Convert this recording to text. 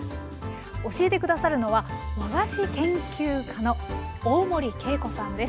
教えて下さるのは和菓子研究家の大森慶子さんです。